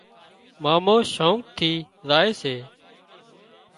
مامو شوق ٿي زائي سي